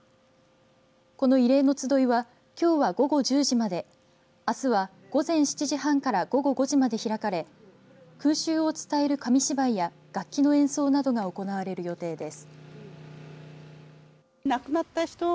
この慰霊の集いはきょうは午後１０時まであすは午前７時半から午後５時まで開かれ空襲を伝える紙芝居や楽器の演奏などが行われる予定です。